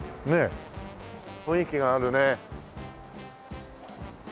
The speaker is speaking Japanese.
雰囲気があるね。